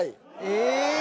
え